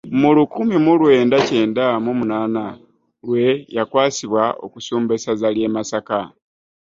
Mu lukumi mu lwenda mu kyenda mu munaana lwe yakwasibwa okusumba essaza lye Masaka.